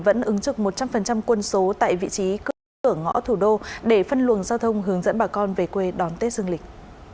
vẫn ứng trực một trăm linh quân số tại vị trí cửa ngõ thủ đô để phân luồng giao thông hướng dẫn bà con về quê đón tết dương lịch